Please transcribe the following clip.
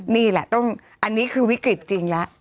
นี่แหละต้องอันนี้คือวิกฤตจริงแล้ว